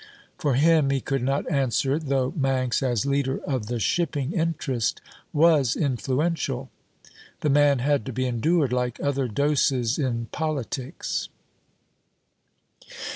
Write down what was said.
For him, he could not answer it, though Manx, as leader of the Shipping interest, was influential. The man had to be endured, like other doses in politics.